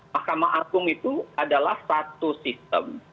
mahkamah agung itu adalah satu sistem